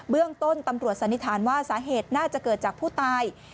เรื่องต้นตำรวจสันนิษฐานว่าสาเหตุน่าจะเกิดจากผู้ตาย